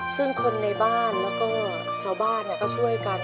ซึ่งคนในบ้านแล้วก็ชาวบ้านก็ช่วยกัน